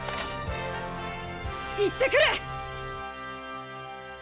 行ってくる！